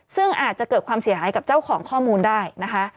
ซึ่งอาจจะเกิดความเสียหายกับเจ้าของข้อมูลได้นะคะ